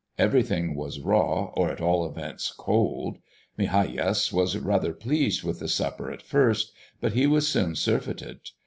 Everything was raw, or at all events cold. Migajas was rather pleased with the supper at first, but he was soon surfeited.